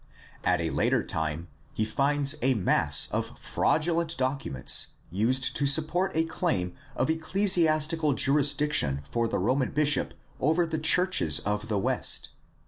At a later time he finds a mass of fraudulent documents used to support a claim of ecclesiastical jurisdiction for the Roman bishop over the churches of the West.